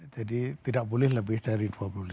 jadi tidak boleh lebih dari dua puluh lima